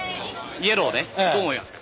イエローをねどう思いますか？